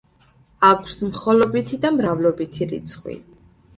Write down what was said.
აქვს მხოლობითი და მრავლობითი რიცხვი.